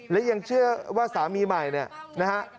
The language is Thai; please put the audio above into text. และยังเชื่อว่าสามีใหม่นะครับ